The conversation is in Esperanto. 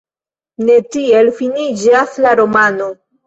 Ne tiel finiĝas la romano.